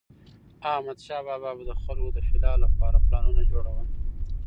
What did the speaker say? احمدشاه بابا به د خلکو د فلاح لپاره پلانونه جوړول.